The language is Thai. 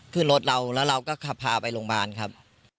ขึ้นรถเราแล้วเราก็ขับพาไปโรงพยาบาลครับ